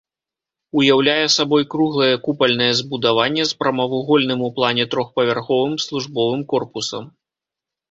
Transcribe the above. Уяўляе сабой круглае купальнае збудаванне з прамавугольным у плане трохпавярховым службовым корпусам.